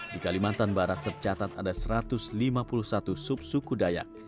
di kalimantan barat tercatat ada satu ratus lima puluh satu subsuku dayak